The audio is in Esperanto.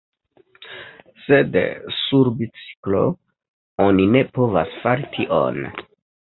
Sed sur biciklo oni ne povas fari tion.